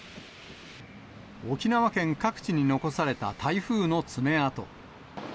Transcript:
沖縄県各地に残された台風の爪痕。